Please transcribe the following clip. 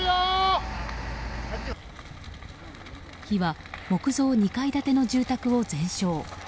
火は木造２階建ての住宅を全焼。